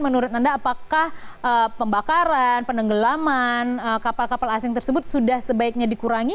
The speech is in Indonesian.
menurut anda apakah pembakaran penenggelaman kapal kapal asing tersebut sudah sebaiknya dikurangi